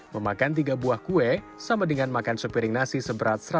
memakan tiga buah kue sama dengan makan sepiring nasi seberat seratus rupiah